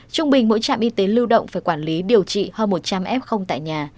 trung bình mỗi trạm y tế lưu động phải quản lý điều trị hơn một trăm linh f tại nhà